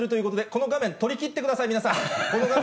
この画面、取り切ってください。